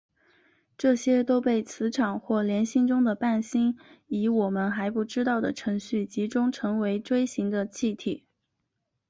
这些都被磁场或联星中的伴星以我们还不知道的程序集中成为锥形的气体。